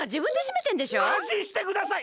・あんしんしてください！